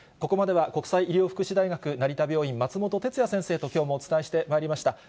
ここまでは国際医療福祉大学成田病院、松本哲哉先生ときょうもお伝えしてまいりました。